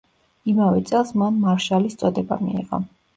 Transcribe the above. იმავე წელს მან მარშალის წოდება მიიღო.